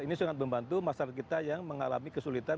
ini sangat membantu masyarakat kita yang mengalami kesulitan